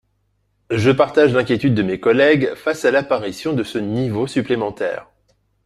Je partage l’inquiétude de mes collègues face à l’apparition de ce niveau supplémentaire.